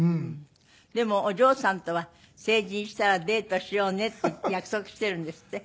でもお嬢さんとは成人したらデートしようねって約束しているんですって？